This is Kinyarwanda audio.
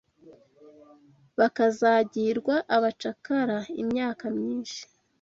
bakazagirwa abacakara imyaka myinshi